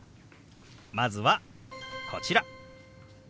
まずはこちら。